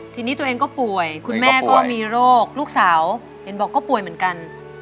ทีนี้ตัวเองก็ป่วยคุณแม่ก็มีโรคลูกสาวเห็นบอกก็ป่วยเหมือนกัน